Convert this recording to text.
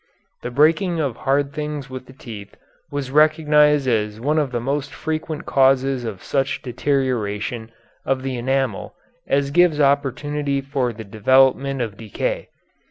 The breaking of hard things with the teeth was recognized as one of the most frequent causes of such deterioration of the enamel as gives opportunity for the development of decay.